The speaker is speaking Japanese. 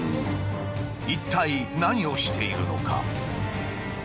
一体何をしているのか？